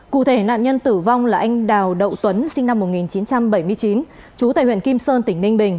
cụ thể nạn nhân tử vong là anh đào đậu tuấn sinh năm một nghìn chín trăm bảy mươi chín chú tại huyện kim sơn tỉnh ninh bình